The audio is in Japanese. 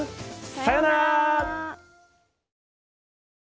さようなら！